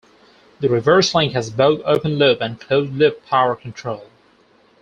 The reverse link has both open loop and closed loop power control.